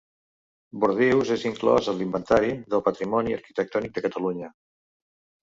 Bordius és inclòs en l'Inventari del Patrimoni Arquitectònic de Catalunya.